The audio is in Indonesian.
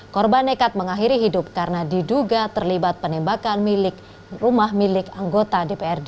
korban nekat mengakhiri hidup karena diduga terlibat penembakan rumah milik anggota dprd